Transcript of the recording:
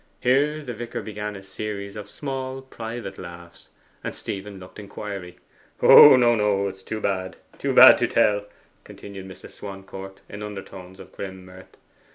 Here the vicar began a series of small private laughs, and Stephen looked inquiry. 'Oh, no, no! it is too bad too bad to tell!' continued Mr. Swancourt in undertones of grim mirth.